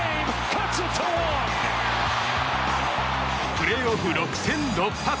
プレーオフ６戦６発。